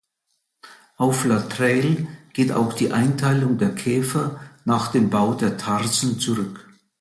Auf Latreille geht auch die Einteilung der Käfer nach dem Bau der Tarsen zurück.